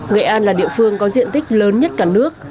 nghệ an là địa phương có diện tích lớn nhất cả nước